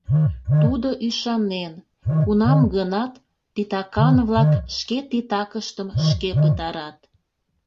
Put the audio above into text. Тудо ӱшанен: кунам-гынат титакан-влак шке титакыштым шке пытарат.